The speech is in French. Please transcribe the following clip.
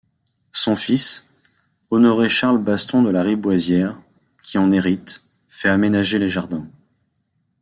Son fils, Honoré-Charles Baston de La Riboisière, qui en hérite, fait aménager les jardins.